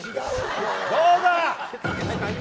どうだ？